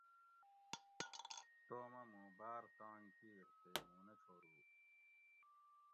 توم اۤ مُوں باۤر تانگ کِیر تے مُوں نہ چھورو